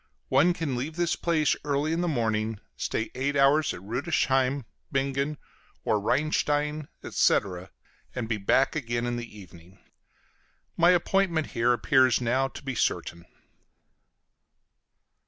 One can leave this place early in the morning, stay eight hours at Rüdesheim, Bingen, or Rheinstein, etc., and be back again in the evening. My appointment here appears now to be certain.